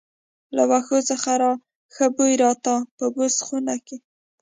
له وښو څخه ښه بوی راته، په بوس خونه کې.